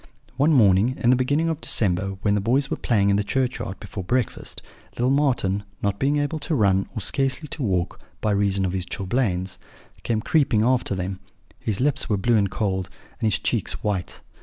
"One morning in the beginning of December, when the boys were playing in the churchyard before breakfast, little Marten, not being able to run, or scarcely to walk, by reason of his chilblains, came creeping after them; his lips were blue and cold, and his cheeks white.